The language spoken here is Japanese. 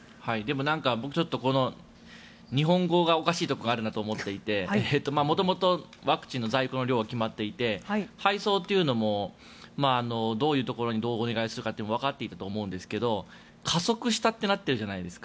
僕、日本語がおかしいところがあると思っていて元々ワクチンの在庫の量は決まっていて、配送というのもどういうところにどうお願いするかってわかっていたと思うんですが加速したってなってるじゃないですか。